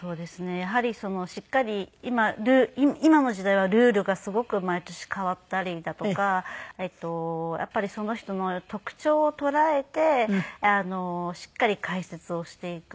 やはりしっかり今の時代はルールがすごく毎年変わったりだとかやっぱりその人の特徴を捉えてしっかり解説をしていく。